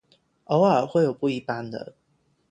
偶尔会有不一般的。